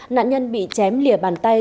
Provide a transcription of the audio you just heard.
nạn nhân bị chém lìa bàn tay